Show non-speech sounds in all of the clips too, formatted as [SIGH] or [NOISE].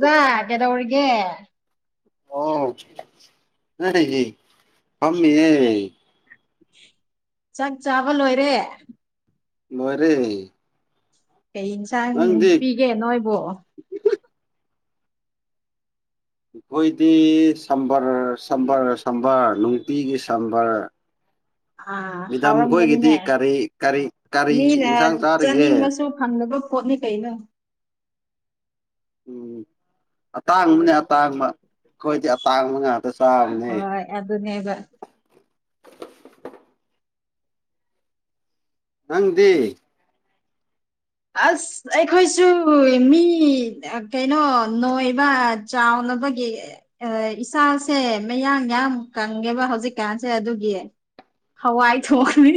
ꯔꯖꯥ ꯀꯦꯗꯧꯔꯤꯒ ꯑꯣ ꯑꯃ ꯌꯦ ꯆꯥꯛ ꯆꯥꯕ ꯂꯣꯏꯔꯦ ꯃꯔꯤꯦ ꯀꯩ ꯏꯟꯁꯥꯡ ꯄꯤꯒꯦ ꯅꯣꯏꯕꯨ ꯑꯩꯈꯣꯏꯗꯤ ꯁꯝꯕꯔ ꯁꯝꯕꯔ ꯁꯝꯕꯔ ꯅꯨꯡꯇꯤꯒꯤ ꯁꯝꯕꯔ ꯑꯥ ꯃꯤꯗꯝ ꯍꯥꯎꯔꯝꯒꯅꯤꯅꯦ ꯈꯣꯏꯒꯤꯗꯤ ꯀꯔꯤ ꯀꯔꯤ ꯀꯔꯤ ꯃꯤꯅ ꯏꯟꯁꯥꯡ ꯆꯥꯔꯤꯒꯦ ꯆꯥꯅꯤꯡꯉꯁꯨ ꯐꯪꯗꯕ ꯍꯣꯠꯅꯤ ꯀꯩꯩꯅ ꯎꯝ ꯑꯇꯥꯡꯕꯅꯦ ꯑꯇꯥꯡꯕ ꯑꯩꯈꯣꯏꯗꯤ ꯑꯇꯥꯡꯕ ꯉꯥꯛꯇ ꯆꯕꯅꯦ ꯍꯣꯏ ꯑꯗꯨꯅꯦꯕ ꯅꯪꯗꯤ ꯑꯁ ꯑꯩꯈꯣꯏꯁꯨ ꯃꯤ ꯀꯩꯅꯣ ꯅꯣꯏꯕ ꯆꯥꯎꯅ ꯅꯕꯒꯤ ꯏꯁꯥꯁꯦ ꯃꯌꯥꯡ ꯌꯥꯝ ꯀꯪꯉꯦꯕ ꯍꯧꯖꯤꯛꯀꯥꯟꯁꯦ ꯑꯗꯨꯒꯤ ꯍꯋꯥꯏ ꯊꯅꯤ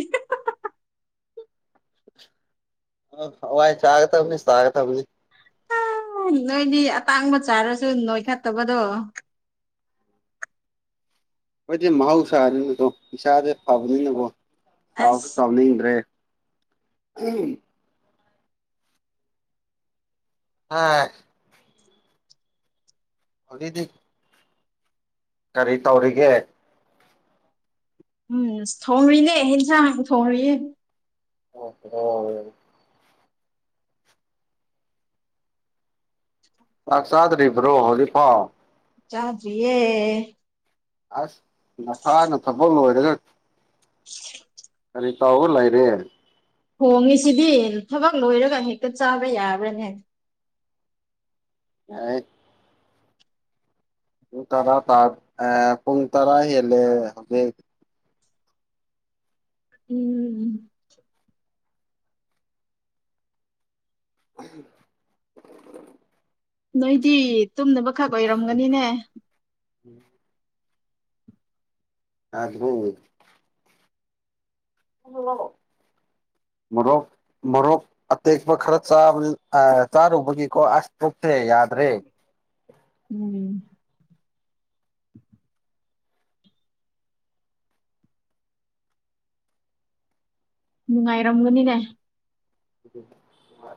ꯑꯋꯥ ꯆꯥꯒꯅꯤ ꯆꯥꯒ ꯊꯕꯨꯅꯤ ꯎ ꯅꯣꯏꯗꯤ ꯑꯇꯥꯡꯕ ꯆꯥꯔꯁꯨ ꯅꯣꯏꯈꯠꯇꯕꯗꯣ ꯑꯩꯣꯏꯗꯤ ꯃꯍꯧꯁꯥꯔꯤꯅꯗꯣ ꯏꯁꯥꯗꯦ ꯐꯕꯅꯤꯅꯕꯨꯣꯁꯨ ꯑꯁ ꯇꯥꯎꯅꯤꯡꯗ꯭ꯔꯦ ꯎ ꯑ ꯍꯕꯤꯗꯤꯞ ꯀꯔꯤ ꯇꯧꯔꯤꯒꯦ ꯎꯝ ꯊꯣꯡꯔꯤꯅꯦ ꯏꯟꯁꯥꯡ ꯊꯣꯡꯌꯦ ꯑꯣ ꯂꯥꯛꯁꯥꯗꯔꯤ꯭ꯔꯣꯔꯤꯐꯥꯎ ꯆꯥꯖꯌꯦ ꯑꯁ ꯉꯁꯥ ꯅ ꯊꯕꯣ ꯑꯣꯏꯔꯦ [UNINTELLIGIBLE] ꯀꯔꯤ ꯇꯥꯎꯕ ꯂꯩꯔꯦ ꯍꯣꯡꯉꯤꯁꯤꯗꯤ ꯊꯕꯛ ꯂꯣꯏꯔꯒ ꯍꯦꯛꯇ ꯆꯥꯕ ꯌꯥꯕ꯭ꯔꯅꯦ ꯍ ꯄꯨꯡ ꯇꯔꯥ ꯇꯥ ꯑ ꯄꯨꯡ ꯇꯔꯥꯏ ꯍꯦ ꯍꯧꯖꯤꯛ ꯎꯝ [UNINTELLIGIBLE] ꯅꯣꯏꯗꯤ ꯇꯨꯝꯅꯕꯈꯛ ꯑꯣꯏꯔꯝꯒꯅꯤꯅꯦ ꯎꯝ ꯑꯗꯕꯣ ꯑꯣ [UNINTELLIGIBLE] ꯃꯣꯔꯣꯛ ꯃꯣꯔꯣꯛ ꯑꯇꯦꯛꯄ ꯈꯔ ꯆꯥꯔꯨꯕꯒꯤꯀꯣ ꯑꯁ ꯇꯣꯛꯇꯦ ꯌꯥꯔꯦ ꯭ ꯔꯦ ꯎꯝ ꯅꯨꯡꯉꯥꯏꯔꯝꯒꯅꯤꯅꯦ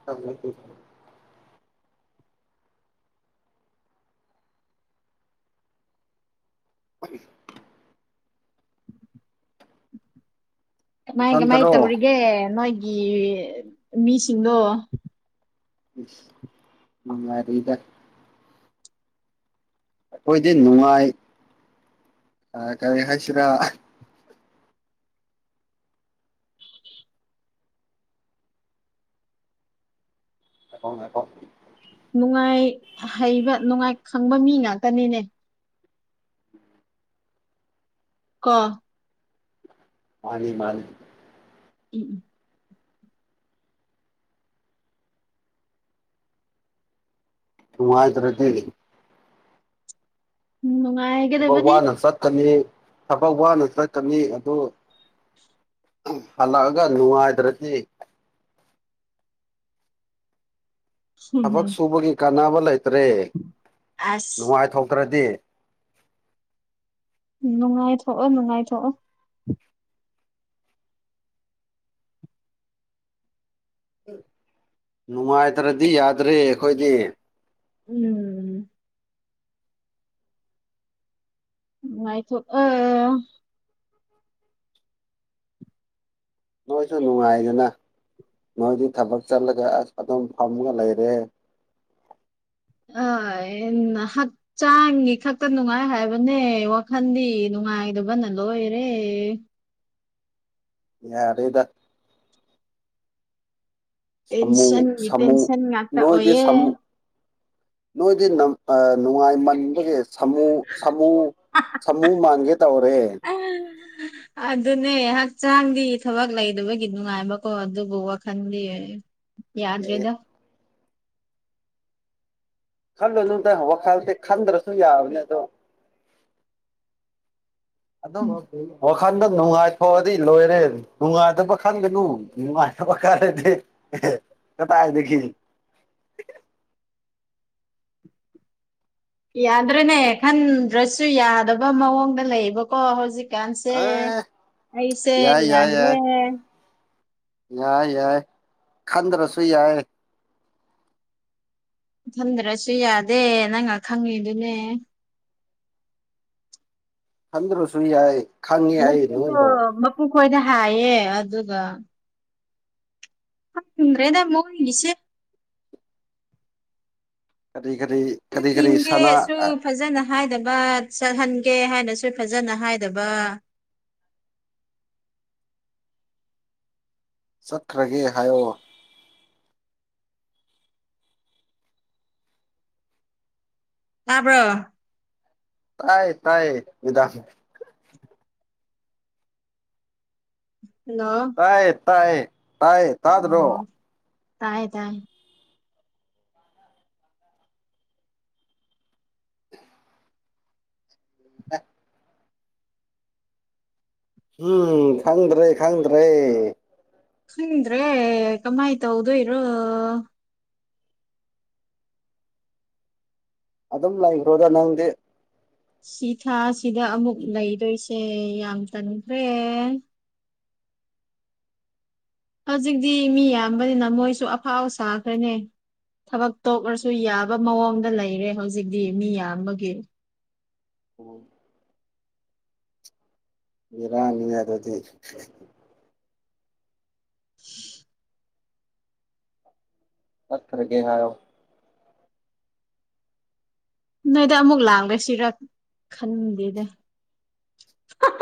ꯇ ꯂꯩ [INAUDIBLE] ꯀꯃꯥꯏ ꯀꯃꯥꯏ ꯅꯊꯟꯇꯔꯣ ꯇꯧꯔꯤꯒꯦ ꯅꯣꯏꯒꯤ ꯃꯤꯁꯤꯡꯗꯣ ꯉꯔ ꯏꯗ ꯑꯩꯈꯣꯏꯗꯤ ꯅꯨꯡꯉꯥꯏ ꯀꯔꯤ ꯍꯥꯏꯁꯤꯔꯥ ꯑꯣꯀꯣ ꯅꯨꯡꯉꯥꯏ ꯍꯩꯕ ꯅꯨꯡꯉꯥꯏ ꯈꯪꯕ ꯃꯤ ꯉꯥꯛꯇꯅꯤꯅꯦ ꯀ ꯃꯥꯅꯤ ꯃꯥꯅꯤ ꯎꯝ ꯎꯝ ꯇꯔꯇ ꯂꯩ ꯎꯝ ꯊꯕꯛ ꯅꯨꯡꯉꯥꯏꯒꯗꯕꯅꯤ ꯋꯥꯅ ꯆꯠꯀꯅꯤ ꯊꯕꯛ ꯋꯥꯅ ꯆꯠꯀꯅꯤ ꯑꯗꯨ ꯍꯜꯂꯛꯑꯒ ꯅꯨꯡꯉꯥꯏꯗ꯭ꯔꯗꯤ ꯊꯕꯛ ꯁꯨꯕꯒꯤ ꯀꯥꯟꯅꯕ ꯂꯩꯇ꯭ꯔꯦ ꯑꯁ ꯅꯨꯡꯉꯥꯏꯊꯣꯛꯇ꯭ꯔꯗꯤ ꯅꯨꯡꯉꯥꯏꯊꯣꯛꯑꯣ ꯅꯨꯡꯉꯥꯏꯊꯣꯛꯑꯣ ꯅꯨꯡꯉꯥꯏꯇ꯭ꯔꯗꯤ ꯌꯥꯗ꯭ꯔꯦ ꯑꯩꯈꯣꯏꯗꯤ ꯎꯝ ꯅꯨꯉꯥꯢ ꯊꯣꯛ ꯑ ꯅꯣꯏꯁꯨ ꯅꯨꯡꯉꯥꯏꯗꯅ ꯅꯣꯏꯗꯤ ꯊꯕꯛ ꯆꯠꯂꯒ ꯑꯁ ꯑꯗꯨꯝ ꯐꯝꯒ ꯂꯩꯔꯦ [INAUDIBLE] ꯑ ꯍꯛꯆꯥꯡꯒꯤ ꯈꯛꯇ ꯅꯨꯡꯉꯥꯏ ꯍꯥꯏꯕꯅꯦ ꯋꯥꯈꯜꯗꯤ ꯅꯨꯡꯉꯥꯏ ꯏ ꯟ ꯂꯣꯔꯦ ꯌꯥꯔꯩꯗ ꯁꯃꯨ ꯇꯦꯟꯁꯟꯒꯤ ꯁꯃꯨ ꯇꯦꯟꯁꯟ ꯉꯥꯛꯇ ꯅꯣꯏꯗꯤ ꯑꯣꯏꯌꯦ ꯁꯃꯨ ꯅꯣꯏꯗꯤ ꯅꯨꯡꯉꯥꯏꯃꯟꯕꯒꯤ ꯃꯨ ꯁꯥꯃꯨ ꯁꯥꯃꯨ ꯃꯥꯟꯒꯦ ꯇꯧꯔꯦ ꯑꯗꯨꯅꯦ ꯍꯛꯆꯥꯡꯗꯤ ꯊꯕꯛ ꯂꯩꯗꯕꯒꯤ ꯅꯨꯡꯉꯥꯏꯕꯀꯣ ꯑꯗꯨꯕꯨ ꯋꯥꯈꯜꯗꯤ ꯌꯥꯗ ꯑꯣꯏꯦꯗ ꯑꯦ ꯈꯜꯂꯨ ꯇꯪ ꯋꯥꯈꯜꯁꯦ ꯈꯟꯗ꯭ꯔꯁꯨ ꯌꯥꯕꯅꯦ ꯑꯗꯣ ꯝ ꯎꯝ ꯋꯥꯈꯟꯗ ꯅꯨꯡꯉꯥꯏꯊꯣꯛꯑꯗꯤ ꯂꯣꯏꯔꯦ ꯅꯨꯡꯉꯥꯏꯇꯕ ꯈꯟ ꯄ ꯀꯥ ꯀ ꯇꯥꯏꯗꯤ ꯌꯥꯗ꯭ꯔꯦꯅꯦ ꯈꯟꯗ꯭ꯔꯁꯨ ꯌꯥꯗꯕ ꯃꯑꯣꯡꯗ ꯂꯩꯌꯦꯕꯀꯣ ꯍꯧꯖꯤꯛ ꯀꯥꯟꯁꯦ ꯑꯦ ꯑꯩꯁꯦ ꯌꯥꯏ ꯌꯥꯏ ꯌꯥꯗ꯭ꯔꯦ ꯌꯥꯏ ꯌꯥꯏ ꯌꯥꯏ ꯈꯟꯗ꯭ꯔꯁꯨ ꯌꯥꯏ ꯊꯟꯗ꯭ꯔꯁꯨ ꯌꯥꯗꯦ ꯅꯪ ꯉ ꯈꯪꯉꯤꯗꯨꯅꯦ ꯊꯗ ꯔꯁꯨꯨꯏ ꯌꯥꯏ ꯈꯪꯉꯤ ꯑꯩ ꯉꯁꯤꯁꯨ ꯅꯣꯏꯕꯨ ꯃꯄꯨꯡ ꯈꯣꯏꯅ ꯍꯥꯏꯌꯦ ꯑꯗꯨꯒ ꯗ꯭ꯔꯦꯗ ꯃꯣꯅꯤꯁꯦ ꯀꯔꯤ ꯀꯔꯤ ꯀꯔꯤ ꯀꯔꯤ ꯁꯅꯥ ꯅꯤꯡꯗꯦꯁꯨ ꯐꯖꯅ ꯍꯥꯏꯗꯕ ꯆꯠꯍꯟꯒꯦ ꯍꯥꯏꯅꯁꯨ ꯐꯖꯅ ꯍꯥꯏꯗꯕ ꯆꯠꯈ꯭ꯔꯒꯦ ꯍꯥꯏꯌꯑꯣ ꯇꯥꯕ꯭ꯔꯣ ꯇꯥꯏ ꯇꯥꯏꯌꯦꯗꯥꯥꯁ ꯍꯜꯂꯣ ꯇꯌꯦ ꯇꯌꯦ ꯑꯣ ꯇꯥꯗꯅꯣ ꯇꯥꯏ ꯇꯥꯏ [UNINTELLIGIBLE] ꯎꯝ ꯈꯪꯗ꯭ꯔꯦ ꯈꯪꯗ꯭ꯔꯦ ꯍꯗ꯭ꯔꯦ ꯀꯃꯥꯏ ꯇ ꯍꯧꯗ ꯏꯔꯣ ꯑꯗꯨꯝ ꯂ꯭ꯔꯣꯗ ꯂꯉꯗꯤ ꯁꯤ ꯊꯥ ꯁꯤꯗ ꯑꯃꯨꯛ ꯂꯩꯗꯣꯏꯁꯦ ꯌꯥꯝ ꯇꯟꯈ꯭ꯔꯦ ꯍꯧꯖꯤꯛꯇꯤ ꯃꯤ ꯌꯥꯝꯕꯅꯤꯅ ꯃꯣꯏꯁꯨ ꯑꯐꯥꯎꯕ ꯁꯥꯈ꯭ꯔꯦꯅꯦ ꯊꯕꯛ ꯇꯣꯛꯂꯁꯨ ꯌꯥꯕ ꯃꯑꯣꯡꯗ ꯂꯩꯔꯦ ꯍꯧꯖꯤꯛꯇꯤ ꯃꯤ ꯌꯥꯝꯕꯒꯤ ꯏꯔꯥꯅꯤ ꯌꯥ ꯑꯗꯨꯗꯤ ꯄꯊꯔꯒꯦ ꯍꯥꯏꯑꯣ ꯅꯣꯏꯗ ꯑꯃꯨꯛ ꯂꯥꯡꯒ ꯁꯤꯔ ꯈꯟꯗꯦꯅꯦ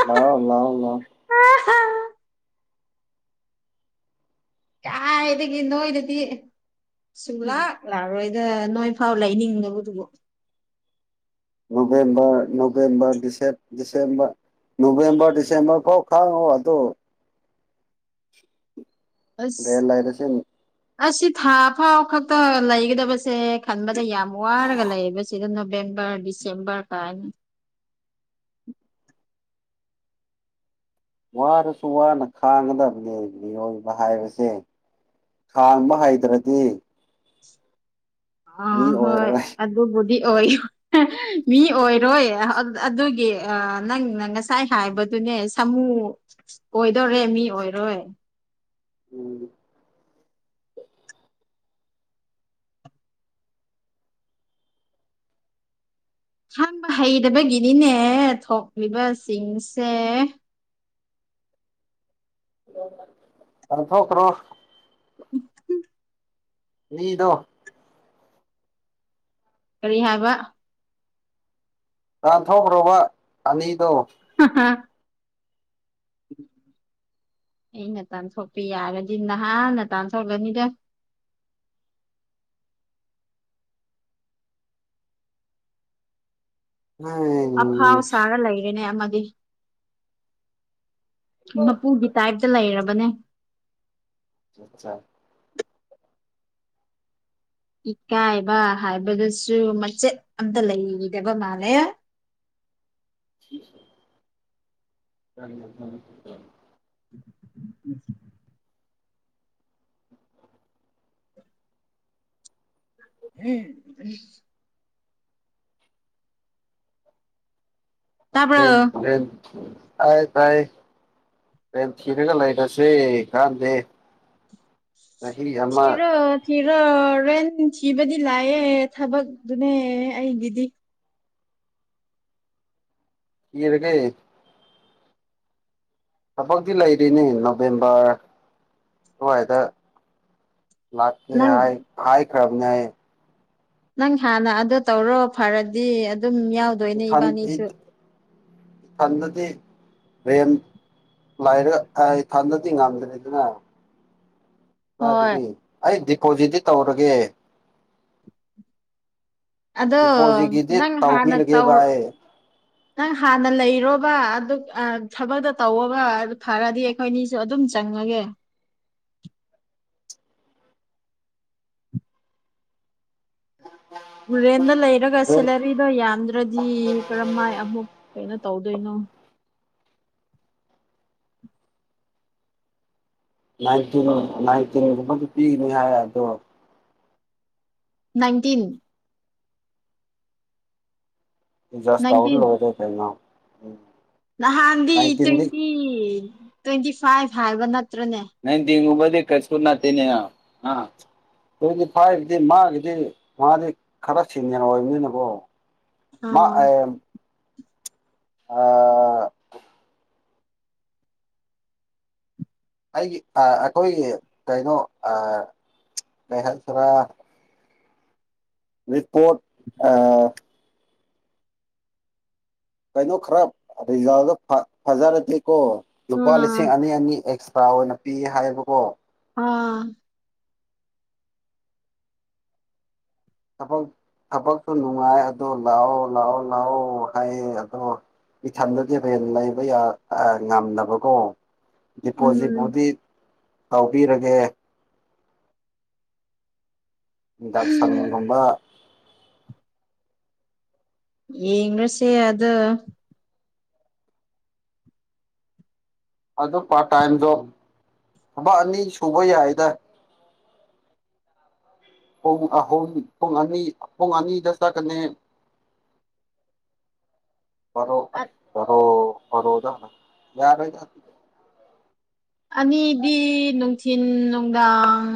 ꯂ ꯂꯥꯎ ꯂ ꯀꯥꯏꯗꯒꯤ ꯅꯣꯏꯗꯗꯤ ꯂꯥꯛꯑꯣ ꯁꯨꯡꯂꯥꯛ ꯂꯥꯛꯑꯔꯣꯏ ꯅꯣꯏ ꯐꯥꯎ ꯂꯩꯅꯤꯡꯅꯕꯗꯨꯕꯨ ꯅꯚꯦꯝꯔ ꯅꯚꯦꯝꯔ ꯗꯤꯁꯔ ꯅꯚꯦꯝꯕꯔ ꯗꯤꯁꯦꯝꯕꯔ ꯐꯥꯎ ꯈꯥꯡꯉꯑꯣ ꯑꯗꯣ ꯔ ꯑꯁ ꯂꯩꯥꯏꯗꯁꯦ ꯑꯁꯤ ꯊꯥ ꯐꯥꯎ ꯈꯛꯇ ꯂꯩꯒꯗꯕꯁꯦ ꯈꯟꯕꯗ ꯌꯥꯝ ꯋꯥꯔꯒ ꯂꯩꯌꯦꯕ ꯁꯤꯗꯅ ꯅꯕꯦꯝꯕꯔ ꯗꯤꯁꯦꯝꯕꯔ ꯇꯥꯏꯅ ꯋꯥꯗꯁꯨ ꯋꯥꯅ ꯈꯥꯡꯒꯗꯕꯅꯦ ꯃꯤꯑꯣꯏꯕ ꯍꯥꯏꯕꯁꯦ ꯊꯥꯡꯕ ꯍꯩꯗ꯭ꯔꯗꯤ ꯑꯥ ꯍꯣꯏ ꯑꯗꯨꯕꯨꯗꯤ ꯑꯣꯏ ꯃꯤ ꯑꯣꯏꯔꯣꯏ ꯑꯗꯨꯒꯤ ꯅꯪꯅ ꯉꯁꯥꯏ ꯍꯥꯏꯕꯗꯨꯅꯦ ꯁꯥꯃꯨ ꯑꯣꯏꯗꯧꯣꯔꯦ ꯃꯤ ꯑꯣꯏꯔ ꯍꯣꯏ ꯎꯝ ꯑꯍꯥꯟꯕ ꯍꯩꯗꯕꯒꯤꯅꯤꯅꯦ ꯊꯣꯛꯂꯤꯕꯁꯤꯡꯁꯦ ꯑꯊ ꯀ꯭ꯔꯣ ꯎ ꯃꯤꯗꯣ ꯀꯔꯤ ꯍꯥꯏꯕ ꯇꯥꯟꯊꯣꯛꯈ꯭ꯔꯣꯕ ꯑꯅꯤꯗꯣ [UNINTELLIGIBLE] ꯎꯝ ꯑꯩ ꯉꯇꯥꯟ ꯁꯣꯛꯄ ꯌꯥꯔꯗꯤ ꯅꯍꯥꯟ ꯉꯇꯥꯟ ꯁꯣꯛꯂꯅꯤꯗ [UNINTELLIGIBLE] ꯑꯐꯥꯎ ꯎꯝ ꯁꯥꯔ ꯂꯩꯔꯦꯅꯦ ꯃꯄꯨꯒꯤ ꯇꯥꯏꯞꯇ ꯂꯩꯔꯕ ꯃꯅꯦ ꯑꯆꯥ ꯏꯀꯥꯏꯕ ꯍꯥꯏꯕꯗꯨꯁꯨ ꯃꯆꯦꯠ ꯑꯝꯇ ꯂꯩꯗꯕ ꯃꯥꯜꯂꯦ [UNINTELLIGIBLE] ꯁꯤꯁ ꯆ ꯎ ꯍꯝ ꯇꯥꯕ꯭ꯔꯣ ꯍ ꯍ ꯇ ꯇꯥꯏ ꯔꯦꯝ ꯊꯤꯔꯒ ꯂꯩꯔꯁꯦ ꯀꯥꯟꯗꯦ ꯆꯍꯤ ꯍ ꯊꯤꯔꯣ ꯊꯤꯔꯣ ꯔꯦꯟ ꯊꯤꯕꯗꯤ ꯂꯥꯛꯑꯦ ꯊꯕꯛꯇꯨꯅꯦ ꯑꯩꯒꯤꯗꯤ ꯀꯤꯔꯀꯦ ꯊꯕꯛꯇꯤ ꯂꯩꯔꯤꯅꯤ ꯅꯣꯕꯦꯝꯕꯔ ꯑꯗꯨꯋꯥꯏꯗ ꯂꯥꯛꯀꯤ ꯅꯪ ꯍꯥꯏ ꯀ꯭ꯔꯕꯅꯦꯏ ꯅꯪ ꯍꯥꯟꯅ ꯑꯗꯨ ꯇꯧꯔꯣ ꯐꯔꯗꯤ ꯑꯗꯨꯝ ꯌꯥꯎꯗꯣꯏꯅꯦ ꯏꯕꯥꯅꯤꯁꯨ ꯁꯗꯗꯤ ꯝ ꯂꯥꯏꯔꯦ ꯑꯩ ꯊꯟꯗꯗꯤ ꯉꯝꯗ꯭ꯔꯦ ꯑꯗꯨꯅ ꯍꯣꯏ ꯃꯥꯗꯒꯤ ꯑꯩ ꯗꯤꯄꯣꯖꯤꯗꯤ ꯇꯧꯔꯒꯦ ꯑꯗꯣ ꯗꯤꯄꯣꯖꯤꯠꯀꯤꯗꯤ ꯅꯪ ꯍꯥꯟꯅ ꯇꯧ ꯇꯧꯕꯤꯔꯒꯦꯕ ꯑꯩ ꯅꯪ ꯍꯥꯟꯅ ꯂꯩ ꯍꯥꯏꯔꯣꯕ ꯑꯗꯨ ꯊꯕꯛꯇꯣ ꯇꯧꯕ ꯐꯔꯗꯤ ꯑꯩꯈꯣꯏꯅꯤꯁꯨ ꯑꯗꯨꯝ ꯆꯪꯉꯒꯦ [UNINTELLIGIBLE] ꯨꯔꯦꯟꯗ ꯂꯩꯔꯒ ꯗꯦꯠ ꯁꯦꯂꯔꯤꯗꯣ ꯌꯥꯝꯗ꯭ꯔꯗꯤ ꯀꯔꯝꯥꯏ ꯀꯌꯥꯃꯨꯛ ꯀꯩꯅꯣ ꯇꯧꯗꯣꯏꯅꯣ ꯅꯥꯏꯟꯇꯤꯟ ꯅꯥꯏꯟꯇꯤꯟꯒꯨꯝꯕꯗꯤ ꯄꯤꯒꯅꯤ ꯍꯥꯏ ꯑꯗꯣ ꯅꯥꯏꯟꯇꯤꯟ ꯖꯁꯥꯎ ꯅꯥꯏꯟꯇꯤꯟ ꯂꯧꯗ ꯀꯅ ꯎꯝ ꯅꯍꯥꯟꯗꯤ ꯅꯥꯏꯟꯇꯤꯟꯗꯤ ꯇ꯭ꯋꯦꯟꯇꯤ ꯇ꯭ꯋꯦꯟꯇꯤ ꯐꯥꯏꯚ ꯍꯥꯏꯕ ꯅꯠꯇ ꯅꯗꯤꯉꯕ ꯀꯆꯨꯔꯅꯥ ꯇꯅꯤ ꯑ ꯇ꯭ꯋꯦꯟꯇꯤ ꯐꯥꯏꯚꯗꯤ ꯃꯥꯒꯤꯗꯤ ꯃꯥꯗꯤ ꯈꯔ ꯁꯤꯟꯅ ꯑꯣꯏꯕꯅꯤꯅꯀꯣ ꯃ ꯑꯥ ꯑ ꯑꯩꯒꯤ ꯑꯩꯈꯣꯏꯒꯤ ꯀꯩꯅꯣ ꯃꯍꯜꯁꯔꯥ ꯔꯤꯄꯣꯔꯠ ꯑ ꯀꯩꯅꯣ ꯈꯔ ꯔꯤꯖꯥꯗꯣ ꯐꯖꯔꯗꯤꯦꯀꯣ ꯂꯨꯄꯥ ꯑꯥ ꯂꯤꯁꯤꯡ ꯑꯅꯤ ꯑꯅꯤ ꯑꯦ ꯆꯥ ꯑꯣꯏꯅ ꯄꯤ ꯍꯥꯏꯌꯦꯕꯀꯣ ꯎꯝ ꯊꯕꯛ ꯊꯕꯛꯁꯨ ꯅꯨꯡꯉꯥꯏ ꯑꯗꯣ ꯂꯥꯛꯑꯣ ꯂꯥꯛꯑꯣ ꯂꯥꯛꯑꯣ ꯍꯥꯏꯌꯦ ꯑꯗꯣ ꯏꯊꯟꯗꯗꯤ ꯍꯣꯔꯦꯟ ꯂꯩꯕ ꯌꯥ ꯉꯝꯗꯕꯀꯣ ꯎꯝ ꯗꯤꯄꯣꯖꯤꯠꯄꯨꯗꯤ ꯇꯧꯕꯤꯔꯒꯦ ꯗꯥꯛ ꯁꯔꯃ ꯊꯪꯕ ꯌꯦꯉꯁꯦ ꯑꯗ ꯑꯗꯨꯣ ꯄꯥꯔꯠ ꯇꯥꯏꯝꯗꯣ ꯊꯕꯛ ꯑꯅꯤ ꯁꯨꯕ ꯌꯥꯏꯗ [UNINTELLIGIBLE] ꯄꯨꯡ ꯑꯍꯨꯝ ꯄꯨꯡ ꯑꯅꯤ ꯄꯨꯡ ꯑꯅꯤꯗ ꯆꯀꯅꯦ [UNINTELLIGIBLE] ꯑ ꯣꯔꯣꯔꯣꯗ ꯌꯥꯔ ꯑꯅꯤꯗꯤ ꯅꯨꯡꯊꯤꯤꯟ ꯅꯨꯡꯗꯥꯡ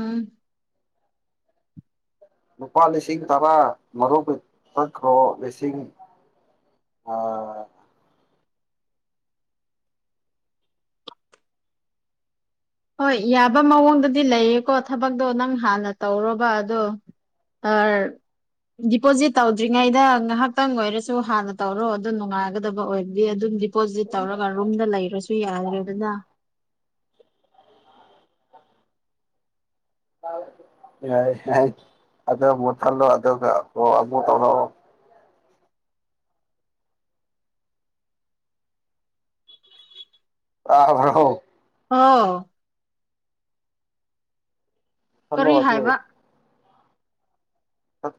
ꯂꯨꯄꯥ ꯂꯤꯁꯤꯡ ꯇꯔꯥ ꯃꯔꯨꯞ ꯆꯈ꯭ꯔꯣ ꯂꯤꯁꯤꯡ ꯑꯥ [UNINTELLIGIBLE] ꯍꯣꯏ ꯌꯥꯕ ꯃꯑꯣꯡꯗꯗꯤ ꯂꯩꯌꯦꯀꯣ ꯊꯕꯛꯇꯣ ꯅꯪ ꯍꯥꯟꯅ ꯇꯧꯔꯕ ꯑꯗꯣ ꯑ ꯗꯤꯄꯣꯖꯤꯠ ꯇꯧꯗ꯭ꯔꯤꯉꯩꯗ ꯉꯥꯏꯍꯥꯛꯇꯪ ꯑꯣꯏꯔꯁꯨ ꯍꯥꯟꯅ ꯇꯧꯔꯣ ꯑꯗꯨ ꯅꯨꯡꯉꯥꯏꯒꯗꯕ ꯑꯣꯏꯕꯗꯤ ꯑꯗꯨꯝ ꯗꯤꯄꯣꯖꯤꯠ ꯇꯧꯔꯒ ꯔꯨꯝꯗ ꯂꯩꯔꯁꯨ ꯌꯥꯗ꯭ꯔꯦꯗꯅ ꯍ ꯑꯗ ꯃ ꯊꯂꯣ ꯑꯗꯨꯗ ꯇ ꯑ꯭ꯔꯥꯎ ꯑꯣꯥꯎ ꯈꯜꯂꯣ ꯀꯔꯤ ꯑꯗꯨ ꯍꯥꯏꯕ ꯆ